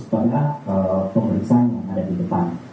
pada pengurusan yang ada di depan